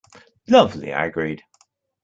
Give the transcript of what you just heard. "Lovely," I agreed.